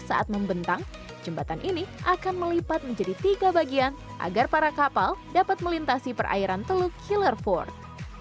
saat membentang jembatan ini akan melipat menjadi tiga bagian agar para kapal dapat melintasi perairan teluk killerford